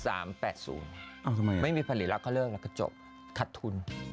เอาทำไมไม่มีผลิตแล้วก็เลิกแล้วก็จบขัดทุน